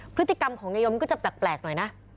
พฤติกรรมของยายมก็จะแปลกหน่อยนะ